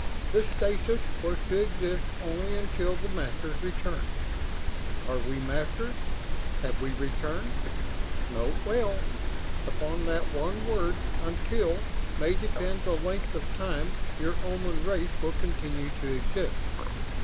This stasis was to exist only until the Masters returned. Are we Masters? Have we returned? Note well: Upon that one word 'until' may depend the length of time your Oman race will continue to exist."